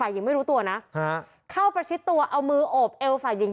เข้าไปชิดตัวเอามือโอบเอลฝ่ายิง